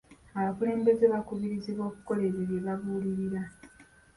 Abakulembeze bakubirizibwa okukola ebyo bye babuulirira.